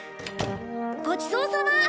ごちそうさま！